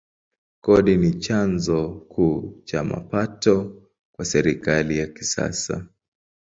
Kodi ni chanzo kuu cha mapato kwa serikali ya kisasa.